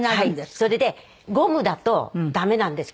それでゴムだと駄目なんです